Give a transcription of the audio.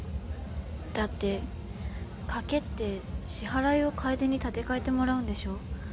だって「掛け」って支払いを楓に立て替えてもらうんでしょ？